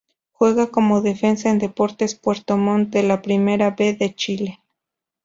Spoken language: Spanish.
Juega como Defensa en Deportes Puerto Montt de la Primera B de Chile.